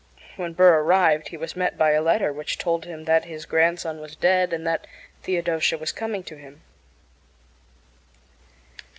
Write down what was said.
When Burr arrived he was met by a letter which told him that his grandson was dead and that Theodosia was coming to him.